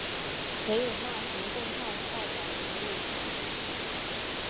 维也纳行动派代表人物。